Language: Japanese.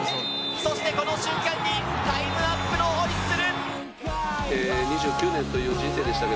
そしてこの瞬間にタイムアップのホイッスル！